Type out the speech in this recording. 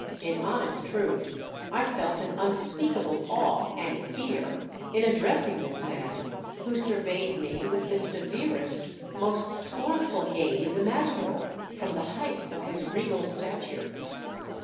In honest truth, I felt an unspeakable awe and fear in address ing this man, who surveyed me with the severest, most scornful gaze imaginable from the height of his regal stature.